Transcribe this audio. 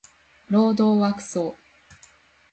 労働はクソ